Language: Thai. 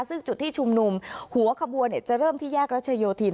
ซึ่งจุดที่ชุมนุมหัวขบวนจะเริ่มที่แยกรัชโยธิน